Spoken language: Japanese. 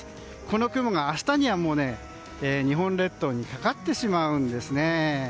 この雲が明日には日本列島にかかってしまうんですね。